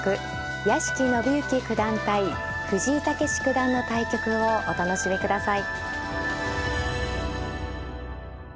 屋敷伸之九段対藤井猛九段の対局をお楽しみください。